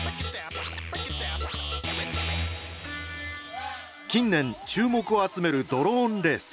近年注目を集めるドローンレース。